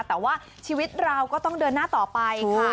แต่ว่าชีวิตเราก็ต้องเดินหน้าต่อไปค่ะ